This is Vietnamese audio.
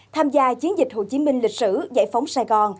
tham gia chiến dịch hồ chí minh lịch sử giải phóng sài gòn